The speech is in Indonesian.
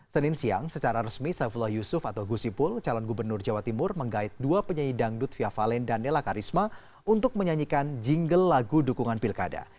senin siang secara resmi saifullah yusuf atau gusipul calon gubernur jawa timur menggait dua penyanyi dangdut fia valen dan nela karisma untuk menyanyikan jingle lagu dukungan pilkada